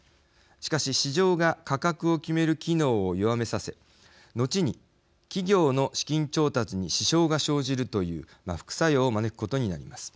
しかし、市場が価格を決める機能を弱めさせ後に企業の資金調達に支障が生じるという副作用を招くことになります。